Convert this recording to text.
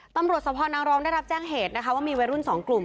ตำรวจสภนางรองได้รับแจ้งเหตุนะคะว่ามีวัยรุ่นสองกลุ่ม